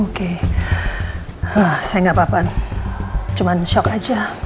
oke saya gak apa apa cuma shock aja